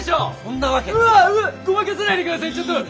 ごまかさないでくださいちょっと。